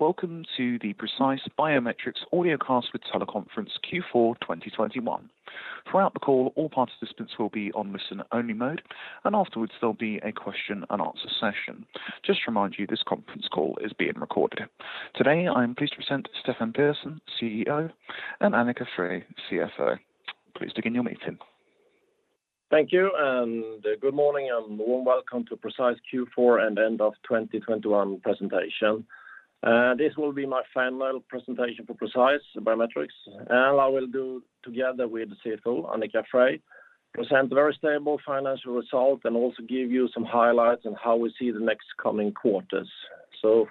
Welcome to the Precise Biometrics Audio Cast with Teleconference Q4 2021. Throughout the call, all participants will be on listen-only mode, and afterwards, there'll be a question-and-answer session. Just to remind you, this conference call is being recorded. Today, I am pleased to present Stefan Persson, CEO, and Annika Freij, CFO. Please begin your meeting. Thank you, and good morning, and warm welcome to Precise Q4 and End of 2021 Presentation. This will be my final presentation for Precise Biometrics, and I will do together with the CFO, Annika Freij, present very stable financial result and also give you some highlights on how we see the next coming quarters.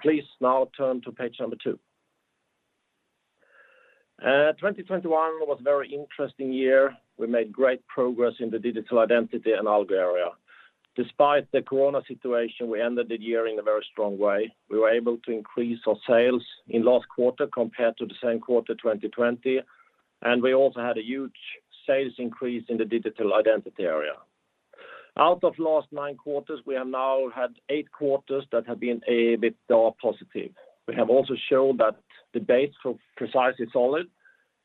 Please now turn to page two. 2021 was very interesting year. We made great progress in the Digital Identity and Algo area. Despite the corona situation, we ended the year in a very strong way. We were able to increase our sales in last quarter compared to the same quarter 2020, and we also had a huge sales increase in the Digital Identity area. Out of last nine quarters, we have now had eight quarters that have been a bit positive. We have also shown that the base for Precise is solid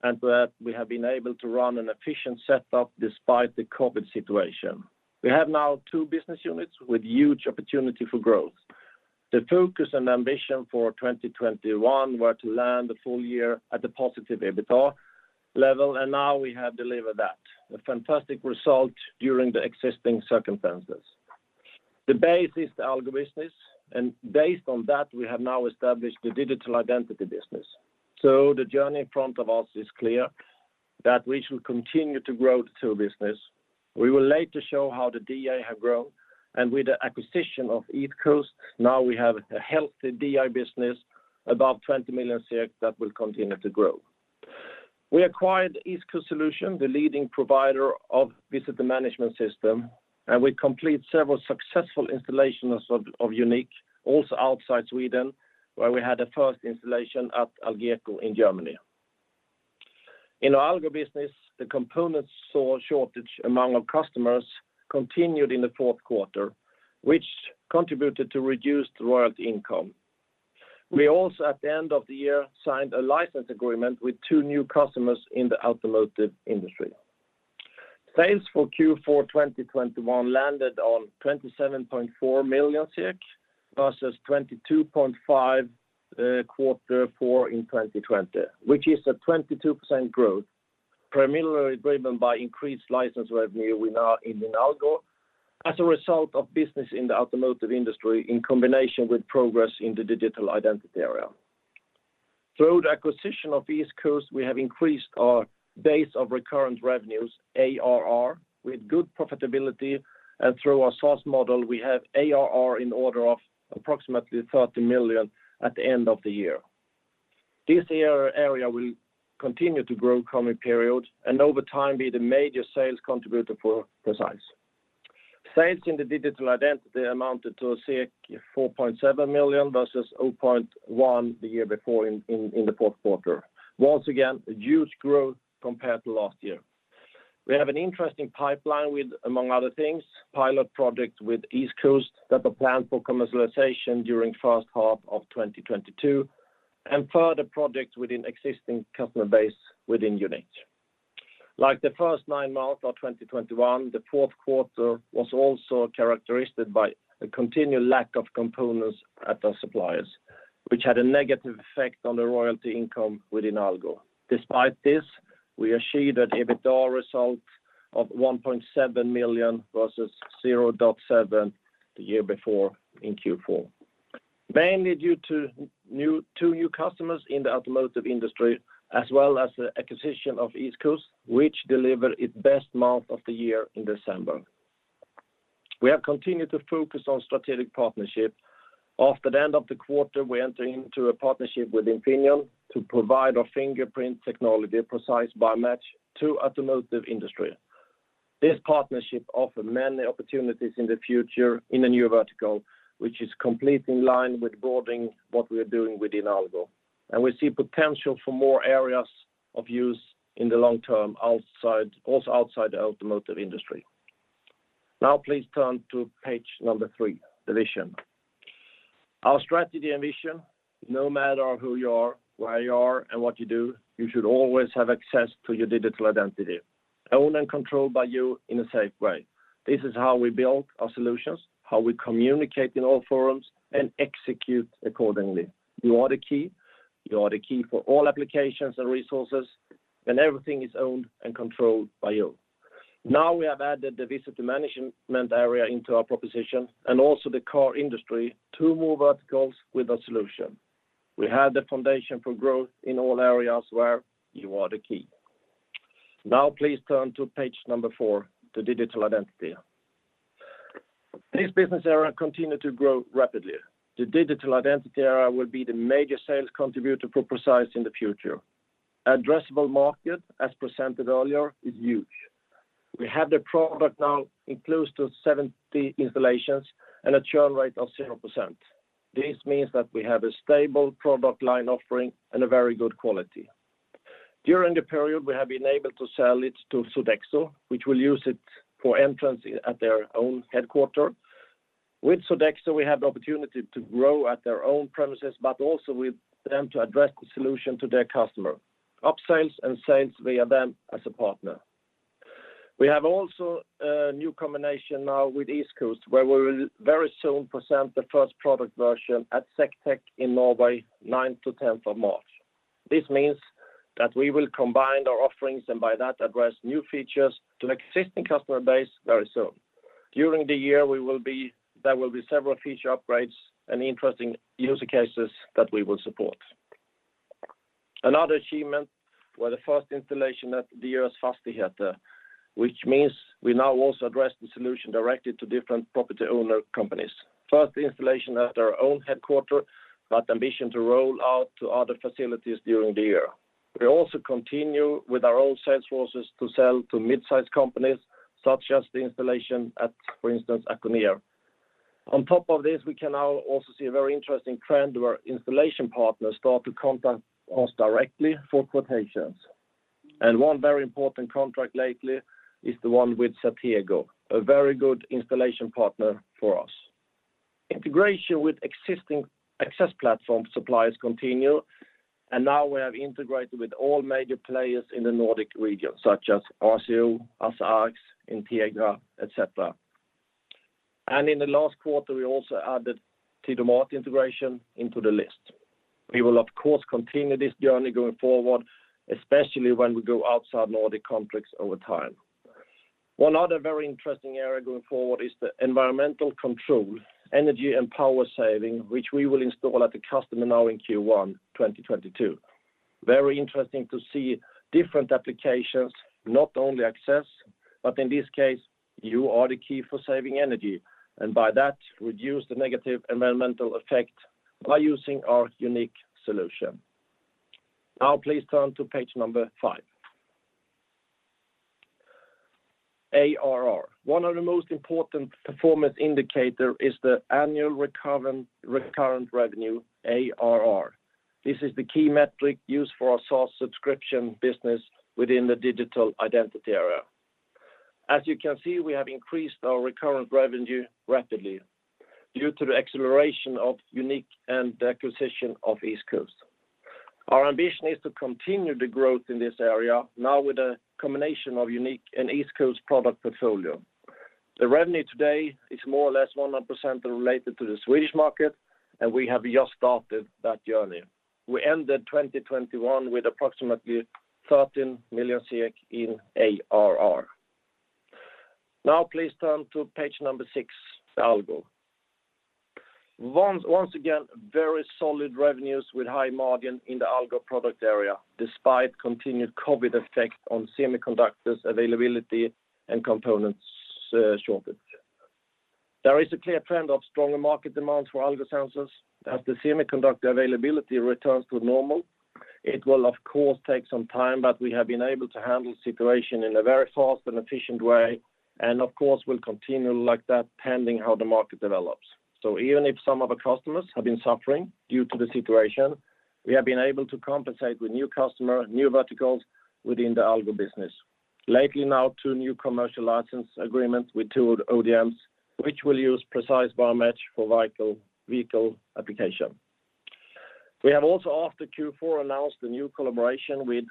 and that we have been able to run an efficient setup despite the COVID situation. We have now two business units with huge opportunity for growth. The focus and ambition for 2021 were to land the full year at the positive EBITDA level, and now we have delivered that, a fantastic result during the existing circumstances. The base is the Algo business, and based on that, we have now established the digital identity business. The journey in front of us is clear that we should continue to grow the two business. We will later show how the DI have grown, and with the acquisition of EastCoast, now we have a healthy DI business, above 20 million that will continue to grow. We acquired EastCoast Solutions, the leading provider of visitor management system, and we complete several successful installations of YOUNiQ, also outside Sweden, where we had the first installation at Algeco in Germany. In our Algo business, the component shortage among our customers continued in the fourth quarter, which contributed to reduced royalty income. We also, at the end of the year, signed a license agreement with two new customers in the automotive industry. Sales for Q4 2021 landed on 27.4 million versus 22.5 million, quarter four in 2020, which is a 22% growth, primarily driven by increased license revenue within our Algo as a result of business in the automotive industry in combination with progress in the Digital Identity area. Through the acquisition of EastCoast, we have increased our base of recurrent revenues, ARR, with good profitability, and through our SaaS model, we have ARR in order of approximately 30 million at the end of the year. This area will continue to grow coming periods, and over time, be the major sales contributor for Precise. Sales in the Digital Identity amounted to 4.7 million versus 0.1 million the year before in the fourth quarter. Once again, a huge growth compared to last year. We have an interesting pipeline with, among other things, pilot projects with EastCoast that are planned for commercialization during first half of 2022 and further projects within existing customer base within YOUNiQ. Like the first nine months of 2021, the fourth quarter was also characterized by a continued lack of components at our suppliers, which had a negative effect on the royalty income within Algo. Despite this, we achieved an EBITDA result of 1.7 million versus 0.7 million the year before in Q4. Mainly due to new customers in the automotive industry, as well as the acquisition of EastCoast, which delivered its best month of the year in December. We have continued to focus on strategic partnership. After the end of the quarter, we entered into a partnership with Infineon to provide our fingerprint technology, Precise BioMatch, to automotive industry. This partnership offers many opportunities in the future in a new vertical, which is completely in line with broadening what we are doing within Algo, and we see potential for more areas of use in the long term outside the automotive industry. Now please turn to page 3, the vision. Our strategy and vision, no matter who you are, where you are, and what you do, you should always have access to your Digital Identity, owned and controlled by you in a safe way. This is how we build our solutions, how we communicate in all forums, and execute accordingly. You are the key for all applications and resources, and everything is owned and controlled by you. Now we have added the visitor management area into our proposition and also the car industry, two more verticals with a solution. We have the foundation for growth in all areas where you are the key. Now please turn to page four, the Digital Identity. This business area continues to grow rapidly. The Digital Identity area will be the major sales contributor for Precise in the future. Addressable market, as presented earlier, is huge. We have the product now in close to 70 installations and a churn rate of 0%. This means that we have a stable product line offering and a very good quality. During the period, we have been able to sell it to Sodexo, which will use it for entrance at their own headquarters. With Sodexo, we have the opportunity to grow at their own premises, but also with them to address the solution to their customers. Upsales and sales via them as a partner. We have also a new combination now with EastCoast, where we will very soon present the first product version at Sectech in Norway, 9th to 10th of March. This means that we will combine our offerings, and by that address new features to an existing customer base very soon. During the year, there will be several feature upgrades and interesting user cases that we will support. Another achievement was the first installation at Diös Fastigheter, which means we now also address the solution directly to different property owner companies. First installation at our own headquarters, but ambition to roll out to other facilities during the year. We also continue with our own sales forces to sell to mid-size companies, such as the installation at, for instance, Acconeer. On top of this, we can now also see a very interesting trend where installation partners start to contact us directly for quotations. One very important contract lately is the one with Sveaskog, a very good installation partner for us. Integration with existing access platform suppliers continue, and now we have integrated with all major players in the Nordic region, such as RCO, ARX, Integra, et cetera. In the last quarter, we also added TIDOMAT integration into the list. We will of course continue this journey going forward, especially when we go outside Nordic countries over time. One other very interesting area going forward is the environmental control, energy, and power saving, which we will install at the customer now in Q1 2022. Very interesting to see different applications, not only access, but in this case, you are the key for saving energy, and by that, reduce the negative environmental effect by using our unique solution. Now please turn to page number five. ARR. One of the most important performance indicator is the annual recurrent revenue, ARR. This is the key metric used for our SaaS subscription business within the Digital Identity area. As you can see, we have increased our recurrent revenue rapidly due to the acceleration of YOUNiQ and the acquisition of EastCoast. Our ambition is to continue the growth in this area now with a combination of YOUNiQ and EastCoast product portfolio. The revenue today is more or less 100% related to the Swedish market, and we have just started that journey. We ended 2021 with approximately 13 million in ARR. Now please turn to page six, Algo. Once again, very solid revenues with high margin in the Algo product area, despite continued COVID effect on semiconductors availability and components shortage. There is a clear trend of stronger market demands for Algo sensors. As the semiconductor availability returns to normal, it will of course take some time, but we have been able to handle the situation in a very fast and efficient way, and of course, we'll continue like that pending how the market develops. Even if some of our customers have been suffering due to the situation, we have been able to compensate with new customer, new verticals within the Algo business. Lately now, two new commercial license agreements with two ODMs, which will use Precise BioMatch for vehicle application. We have also after Q4 announced a new collaboration with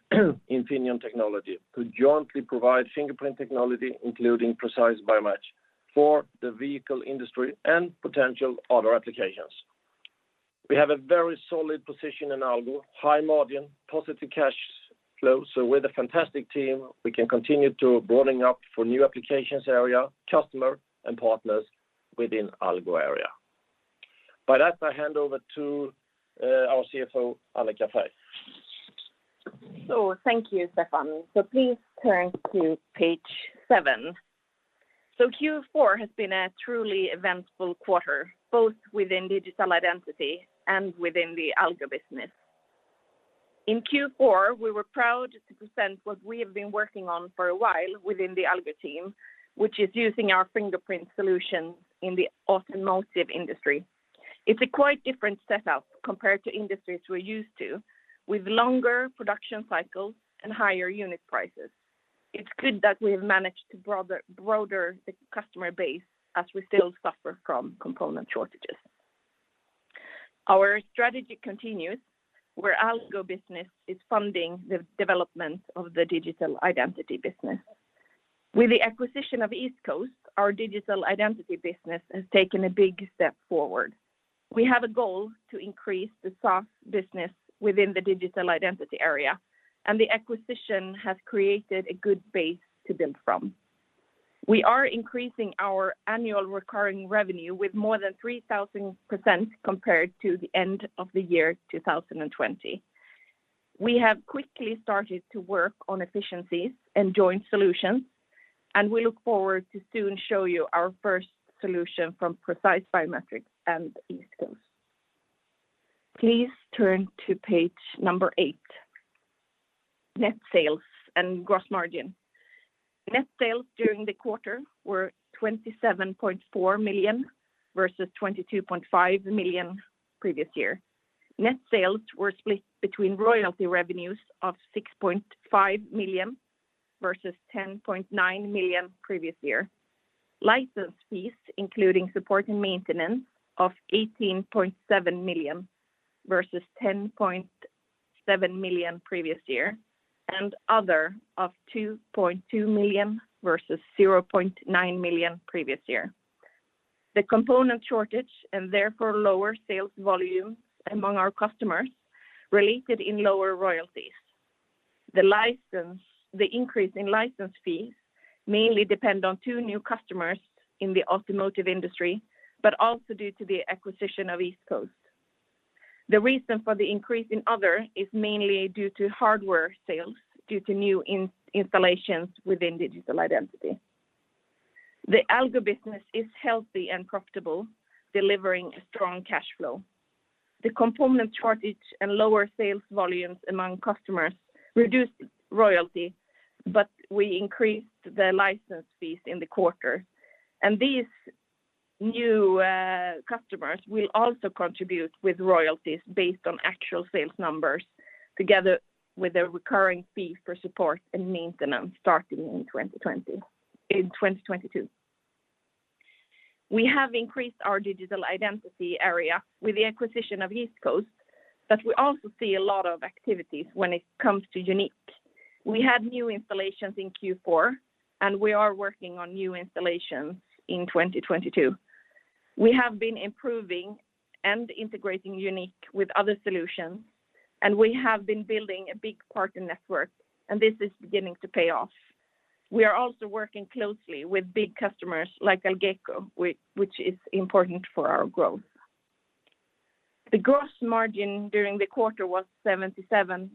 Infineon Technologies, to jointly provide fingerprint technology, including Precise BioMatch for the vehicle industry and potential other applications. We have a very solid position in Algo, high margin, positive cash flow. With a fantastic team, we can continue to building up for new applications area, customer, and partners within Algo area. By that, I hand over to our CFO, Annika Freij. Thank you, Stefan. Please turn to page seven. Q4 has been a truly eventful quarter, both within Digital Identity and within the Algo business. In Q4, we were proud to present what we have been working on for a while within the Algo team, which is using our fingerprint solution in the automotive industry. It's a quite different setup compared to industries we're used to, with longer production cycles and higher unit prices. It's good that we have managed to broader the customer base as we still suffer from component shortages. Our strategy continues, where Algo business is funding the development of the Digital Identity business. With the acquisition of EastCoast, our Digital Identity business has taken a big step forward. We have a goal to increase the SaaS business within the Digital Identity area, and the acquisition has created a good base to build from. We are increasing our annual recurring revenue with more than 3,000% compared to the end of the year 2020. We have quickly started to work on efficiencies and joint solutions, and we look forward to soon show you our first solution from Precise Biometrics and EastCoast. Please turn to page number eight, net sales and gross margin. Net sales during the quarter were 27.4 million versus 22.5 million previous year. Net sales were split between royalty revenues of 6.5 million versus 10.9 million previous year. License fees, including support and maintenance of 18.7 million versus 10.7 million previous year, and other of 2.2 million versus 0.9 million previous year. The component shortage and therefore lower sales volume among our customers resulted in lower royalties. The increase in license fees mainly depends on two new customers in the automotive industry, but also due to the acquisition of EastCoast. The reason for the increase in other is mainly due to hardware sales due to new installations within Digital Identity. The Algo business is healthy and profitable, delivering a strong cash flow. The component shortage and lower sales volumes among customers reduced royalties, but we increased the license fees in the quarter. These new customers will also contribute with royalties based on actual sales numbers together with a recurring fee for support and maintenance starting in 2022. We have increased our Digital Identity area with the acquisition of EastCoast, but we also see a lot of activities when it comes to YOUNiQ. We had new installations in Q4, and we are working on new installations in 2022. We have been improving and integrating YOUNiQ with other solutions, and we have been building a big partner network, and this is beginning to pay off. We are also working closely with big customers like Algeco, which is important for our growth. The gross margin during the quarter was 77.4%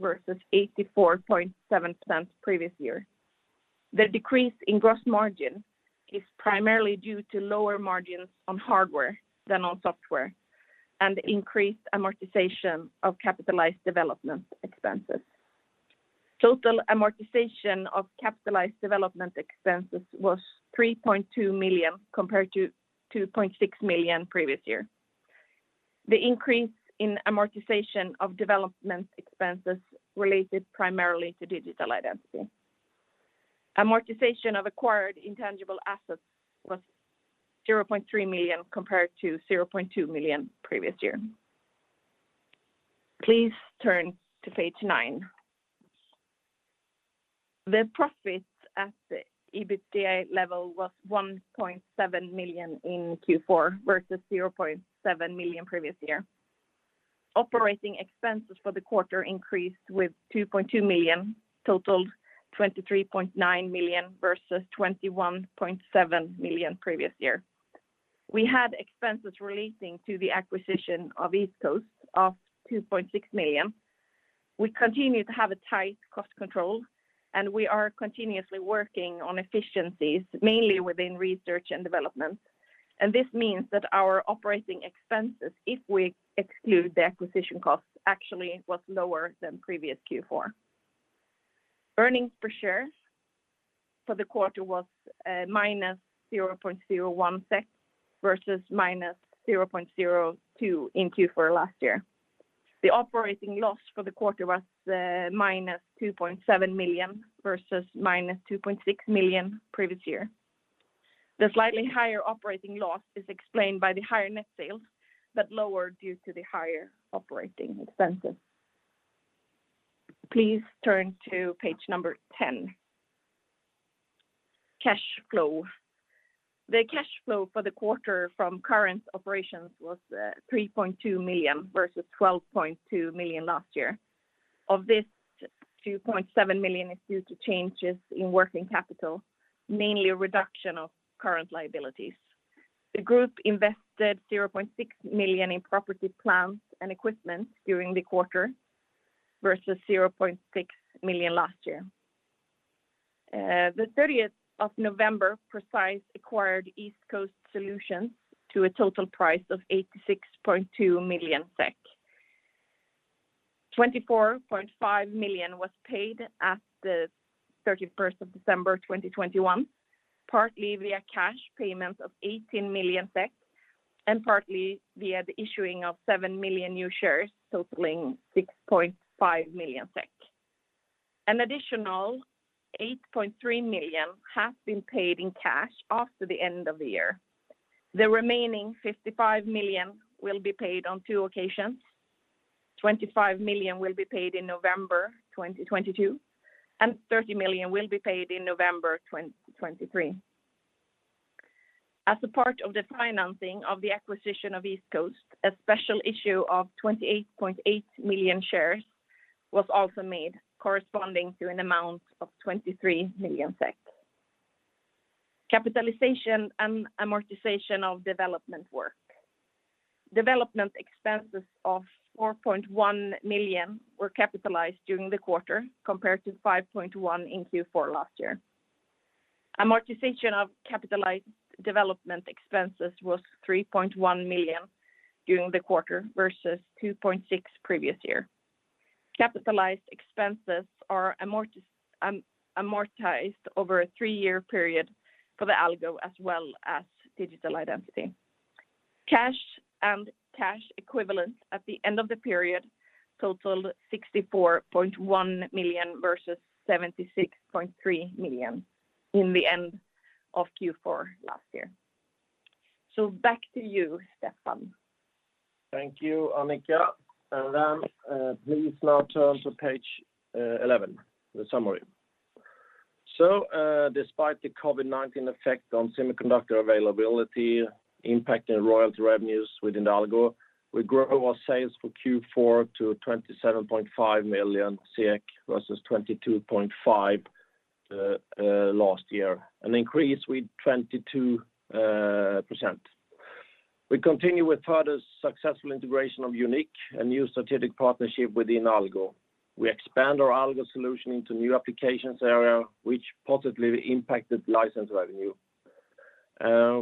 versus 84.7% previous year. The decrease in gross margin is primarily due to lower margins on hardware than on software and increased amortization of capitalized development expenses. Total amortization of capitalized development expenses was 3.2 million compared to 2.6 million previous year. The increase in amortization of development expenses related primarily to Digital Identity. Amortization of acquired intangible assets was 0.3 million compared to 0.2 million previous year. Please turn to page nine. The profit at the EBITDA level was 1.7 million in Q4 versus 0.7 million previous year. Operating expenses for the quarter increased with 2.2 million, totaled 23.9 million versus 21.7 million previous year. We had expenses relating to the acquisition of EastCoast of 2.6 million. We continue to have a tight cost control, and we are continuously working on efficiencies, mainly within research and development. This means that our operating expenses, if we exclude the acquisition costs, actually was lower than previous Q4. Earnings per share for the quarter was -0.01 versus -0.02 in Q4 last year. The operating loss for the quarter was -2.7 million versus -2.6 million previous year. The slightly higher operating loss is explained by the higher net sales, but lower due to the higher operating expenses. Please turn to page 10. Cash flow. The cash flow for the quarter from current operations was 3.2 million versus 12.2 million last year. Of this, 2.7 million is due to changes in working capital, mainly a reduction of current liabilities. The group invested 0.6 million in property, plant and equipment during the quarter versus 0.6 million last year. The 30th of November, Precise acquired EastCoast Solutions to a total price of 86.2 million SEK. 24.5 million was paid at the 31st of December 2021, partly via cash payments of 18 million and partly via the issuing of 7 million new shares totaling 6.5 million SEK. An additional 8.3 million has been paid in cash after the end of the year. The remaining 55 million will be paid on two occasions. 25 million will be paid in November 2022, and 30 million will be paid in November 2023. As a part of the financing of the acquisition of EastCoast, a special issue of 28.8 million shares was also made corresponding to an amount of 23 million. Capitalization and amortization of development work. Development expenses of 4.1 million were capitalized during the quarter compared to 5.1 million in Q4 last year. Amortization of capitalized development expenses was 3.1 million during the quarter versus 2.6 million previous year. Capitalized expenses are amortized over a three-year period for the Algo as well as Digital Identity. Cash and cash equivalents at the end of the period totaled 64.1 million versus 76.3 million in the end of Q4 last year. Back to you, Stefan. Thank you, Annika. Please now turn to page 11, the summary. Despite the COVID-19 effect on semiconductor availability impacting royalty revenues within Algo, we grow our sales for Q4 to 27.5 million versus 22.5 million last year, an increase with 22%. We continue with further successful integration of YOUNiQ, a new strategic partnership within Algo. We expand our Algo solution into new applications area, which positively impacted license revenue.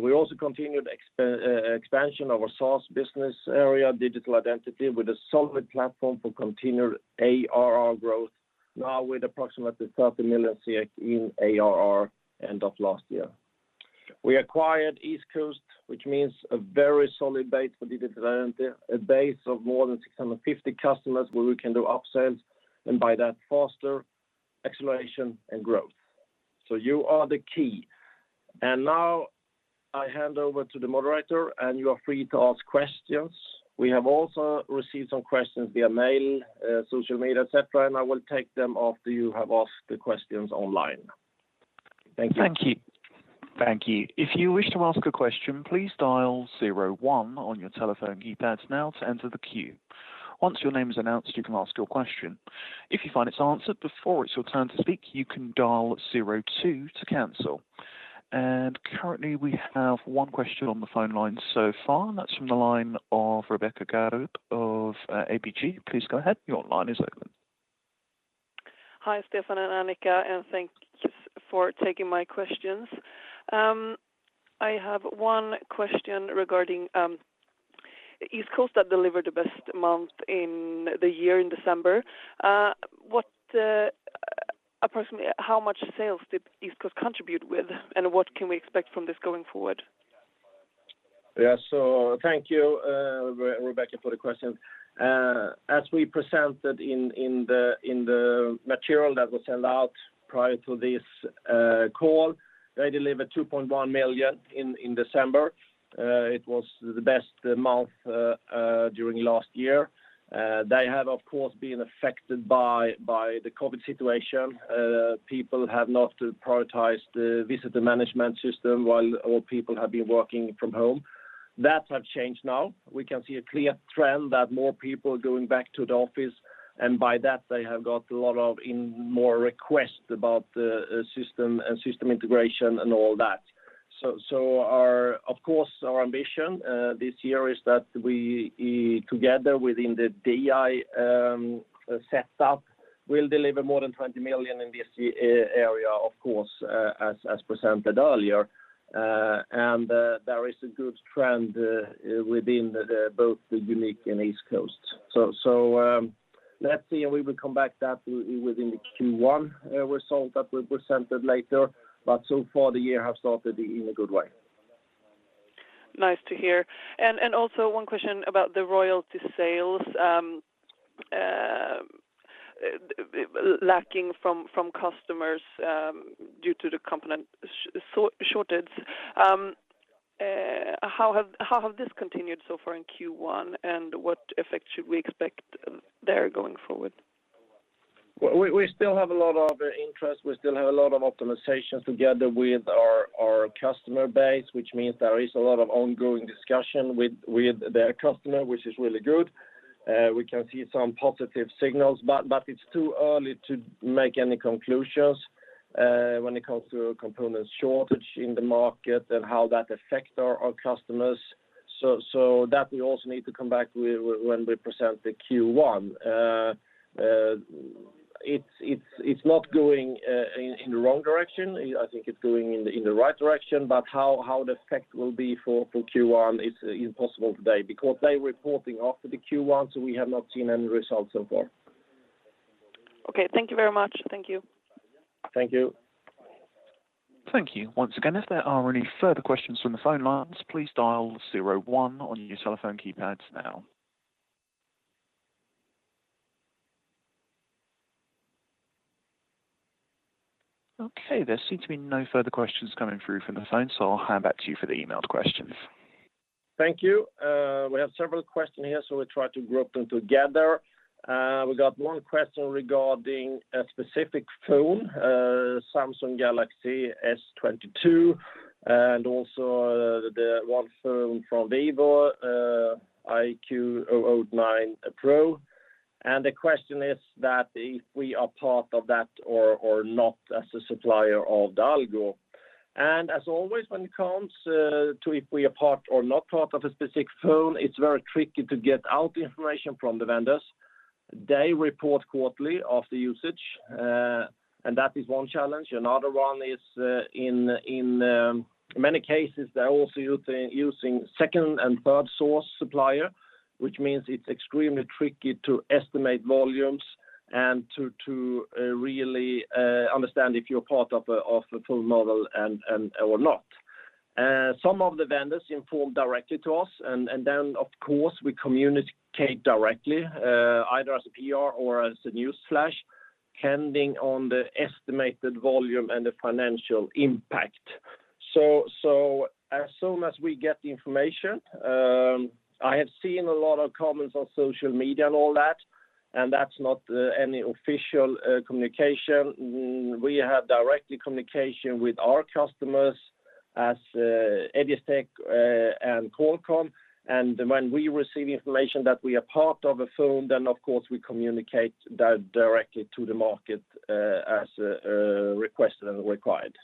We also continued expansion of our SaaS business area, Digital Identity, with a solid platform for continued ARR growth, now with approximately 30 million in ARR end of last year. We acquired EastCoast Solutions, which means a very solid base for Digital Identity, a base of more than 650 customers where we can do upsells and by that foster acceleration and growth. You are the key. Now I hand over to the moderator, and you are free to ask questions. We have also received some questions via mail, social media, et cetera, and I will take them after you have asked the questions online. Thank you. Thank you. If you wish to ask a question, please dial zero one on your telephone keypads now to enter the queue. Once your name is announced, you can ask your question. If you find it's answered before it's your turn to speak, you can dial zero two to cancel. Currently, we have one question on the phone line so far, and that's from the line of Rebecca Grocke of APG. Please go ahead. Your line is open. Hi, Stefan and Annika, and thank you for taking my questions. I have one question regarding EastCoast Solutions that delivered the best month in the year in December. What approximately how much sales did EastCoast Solutions contribute with, and what can we expect from this going forward? Yeah, thank you, Rebecca, for the question. As we presented in the material that was sent out prior to this call, they delivered 2.1 million in December. It was the best month during last year. They have, of course, been affected by the COVID situation. People have not prioritized the visitor management system while all people have been working from home. That has changed now. We can see a clear trend that more people are going back to the office, and by that they have got a lot more requests about the system and system integration and all that. Our, of course our ambition this year is that we, together within the DI setup, will deliver more than 20 million in this ARR area, of course, as presented earlier. There is a good trend within both the YOUNiQ and EastCoast Solutions. We will come back to that within the Q1 result that we presented later, but so far the year have started in a good way. Nice to hear. Also one question about the royalty sales, lacking from customers, due to the component shortage. How have this continued so far in Q1, and what effect should we expect there going forward? We still have a lot of interest. We still have a lot of optimizations together with our customer base, which means there is a lot of ongoing discussion with their customer, which is really good. We can see some positive signals, but it's too early to make any conclusions when it comes to component shortage in the market and how that affect our customers. So that we also need to come back when we present the Q1. It's not going in the wrong direction. I think it's going in the right direction. How the effect will be for Q1 is impossible today because they're reporting after the Q1, so we have not seen any results so far. Okay. Thank you very much. Thank you. Thank you. Thank you. Once again, if there are any further questions from the phone lines, please dial zero one on your telephone keypads now. Okay. There seems to be no further questions coming through from the phone, so I'll hand back to you for the emailed questions. Thank you. We have several questions here, so we try to group them together. We got one question regarding a specific phone, Samsung Galaxy S22, and also the one phone from Vivo, iQOO 9 Pro. The question is that if we are part of that or not as a supplier of the Algo. As always, when it comes to if we are part or not part of a specific phone, it's very tricky to get out information from the vendors. They report quarterly of the usage, and that is one challenge. Another one is, in many cases, they're also using second and third source supplier, which means it's extremely tricky to estimate volumes and to really understand if you're part of a full model or not. Some of the vendors inform directly to us, and then, of course, we communicate directly, either as a PR or as a news flash, depending on the estimated volume and the financial impact. As soon as we get the information, I have seen a lot of comments on social media and all that, and that's not any official communication. We have direct communication with our customers as Egistec and Qualcomm. When we receive information that we are part of a phone, then of course we communicate that directly to the market, as requested and required.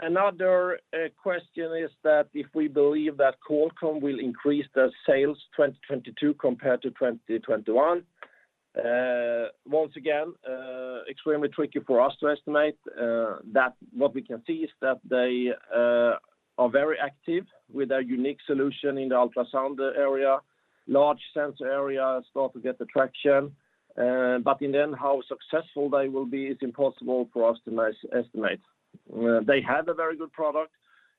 Another question is that if we believe that Qualcomm will increase their sales 2022 compared to 2021. Once again, extremely tricky for us to estimate. That's what we can see is that they are very active with a unique solution in the ultrasound area. Large sensor area start to get the traction. In the end, how successful they will be is impossible for us to estimate. They have a very good product,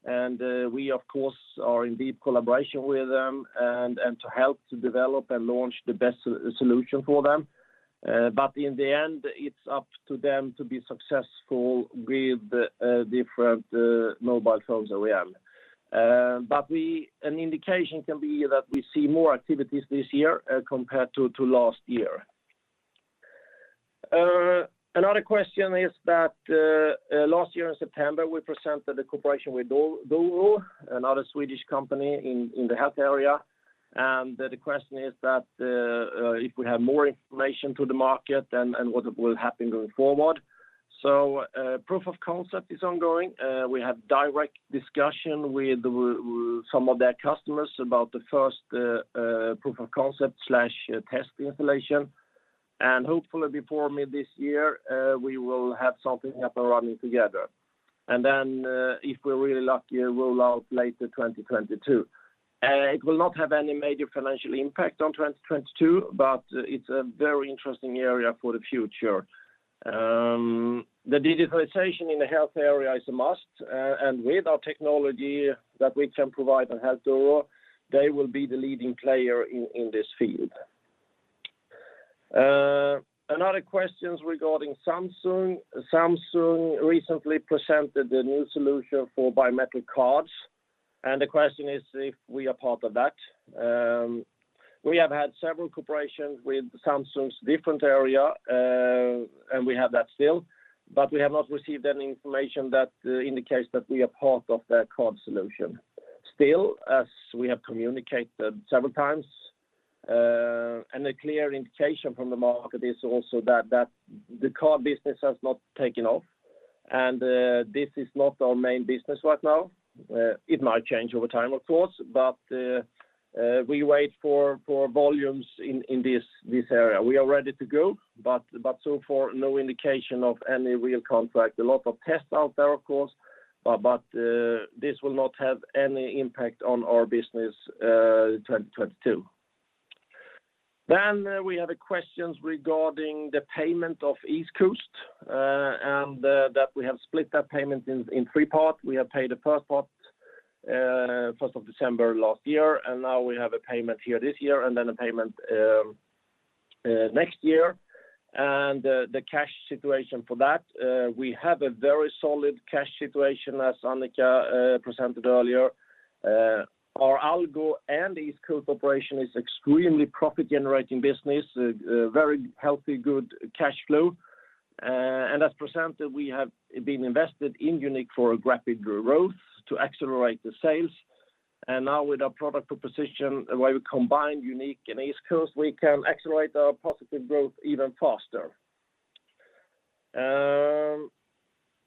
and we of course are in deep collaboration with them and to help to develop and launch the best solution for them. In the end, it's up to them to be successful with the different mobile phones OEM. An indication can be that we see more activities this year compared to last year. Another question is that last year in September, we presented the cooperation with Doro, another Swedish company in the health area. The question is that if we have more information to the market and what will happen going forward. Proof of concept is ongoing. We have direct discussion with some of their customers about the first proof of concept/test installation. Hopefully before mid this year, we will have something up and running together. Then, if we're really lucky, roll out later 2022. It will not have any major financial impact on 2022, but it's a very interesting area for the future. The digitalization in the health area is a must, and with our technology that we can provide and help Doro, they will be the leading player in this field. Another question is regarding Samsung. Samsung recently presented a new solution for biometric cards, and the question is if we are part of that. We have had several cooperation with Samsung's different area, and we have that still. We have not received any information that indicates that we are part of their card solution. Still, as we have communicated several times, and a clear indication from the market is also that the card business has not taken off. This is not our main business right now. It might change over time, of course, but we wait for volumes in this area. We are ready to go, but so far, no indication of any real contract. A lot of tests out there, of course, this will not have any impact on our business, 2022. We have questions regarding the payment of EastCoast, and that we have split that payment in three part. We have paid the first part first of December last year, and now we have a payment here this year and then a payment next year. The cash situation for that, we have a very solid cash situation, as Annika presented earlier. Our Algo and EastCoast operation is extremely profit-generating business, very healthy, good cash flow. As presented, we have been invested in YOUNiQ for a rapid growth to accelerate the sales. Now with our product proposition, where we combine YOUNiQ and EastCoast, we can accelerate our positive growth even faster.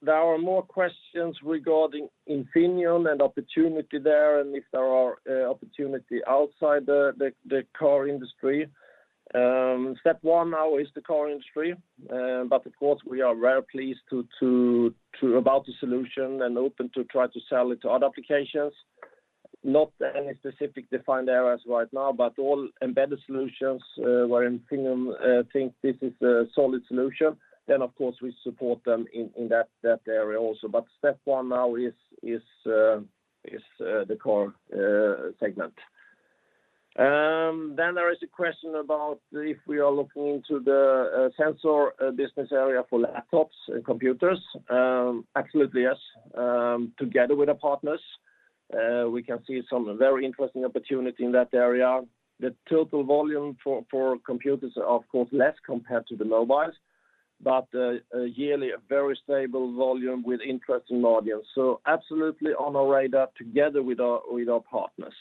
There are more questions regarding Infineon and opportunity there and if there are opportunity outside the car industry. Step one now is the car industry. Of course, we are very pleased about the solution and open to try to sell it to other applications. Not any specific defined areas right now, but all embedded solutions where Infineon think this is a solid solution, then of course we support them in that area also. Step one now is the car segment. There is a question about if we are looking into the sensor business area for laptops and computers. Absolutely yes. Together with our partners, we can see some very interesting opportunity in that area. The total volume for computers are of course less compared to the mobiles, but yearly a very stable volume with interesting audience. Absolutely on our radar together with our partners.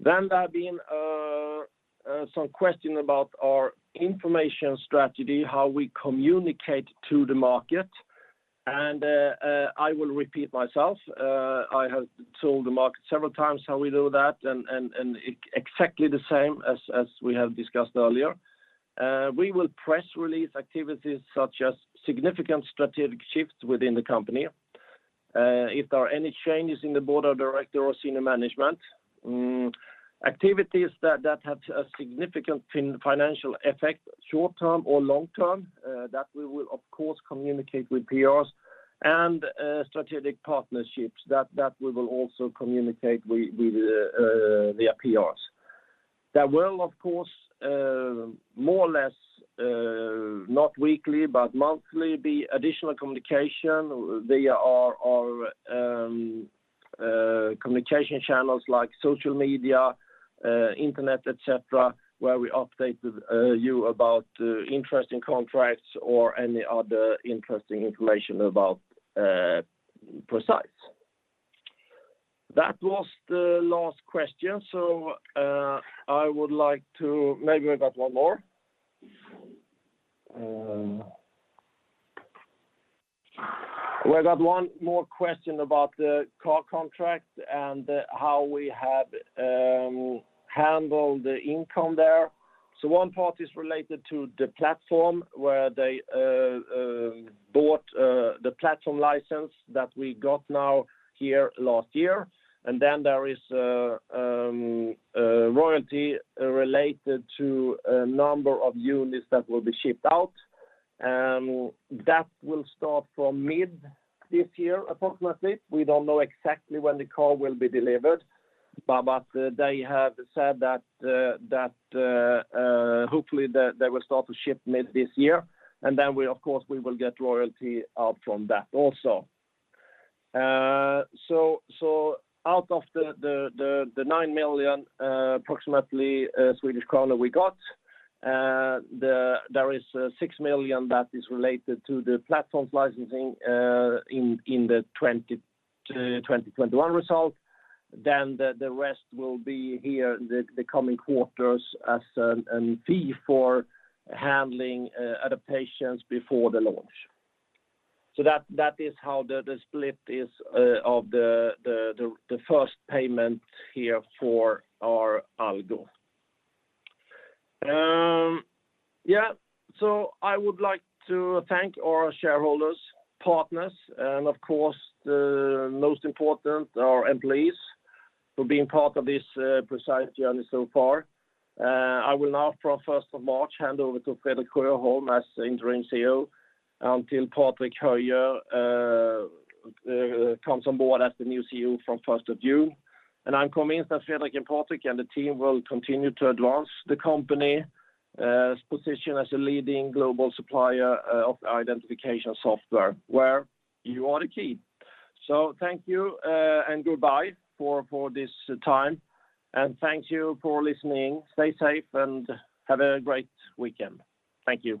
There have been some questions about our information strategy, how we communicate to the market. I will repeat myself. I have told the market several times how we do that and exactly the same as we have discussed earlier. We will press release activities such as significant strategic shifts within the company, if there are any changes in the board of directors or senior management, activities that have a significant financial effect, short-term or long-term, that we will of course communicate with PRs, and strategic partnerships that we will also communicate with via PRs. There will of course, more or less, not weekly but monthly be additional communication via our communication channels like social media, internet, et cetera, where we update with you about interesting contracts or any other interesting information about Precise. That was the last question. I would like to. Maybe we got one more. We got one more question about the car contract and how we have handled the income there. One part is related to the platform where they bought the platform license that we got now here last year. Then there is a royalty related to a number of units that will be shipped out that will start from mid this year, approximately. We don't know exactly when the car will be delivered, but they have said that hopefully they will start to ship mid this year, and then we'll of course get royalty out from that also. Out of the 9 million approximately Swedish Krona we got, there is 6 million that is related to the platform's licensing in the 2021 result. The rest will be in the coming quarters as fee for handling adaptations before the launch. That is how the first payment here for our Algo. I would like to thank our shareholders, partners, and of course, the most important, our employees for being part of this Precise journey so far. I will now from 1st of March hand over to Fredrik Sjöholm as Interim CEO until Patrick Höijer comes on board as the new CEO from 1st of June. I'm convinced that Fredrik and Patrick and the team will continue to advance the company position as a leading global supplier of identification software where you are the key. Thank you, and goodbye for this time, and thank you for listening. Stay safe and have a great weekend. Thank you.